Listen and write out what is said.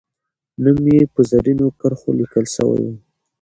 نوم یې به په زرینو کرښو لیکل سوی وو.